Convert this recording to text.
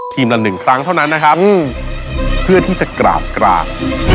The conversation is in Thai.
ละหนึ่งครั้งเท่านั้นนะครับเพื่อที่จะกราบกราบ